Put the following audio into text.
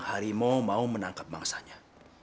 harimau mau menangkap bangsanya